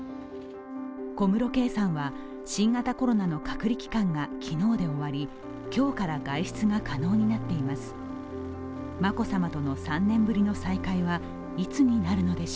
小室圭さんは新型コロナの隔離期間が昨日で終わり、今日から外出が可能になっています。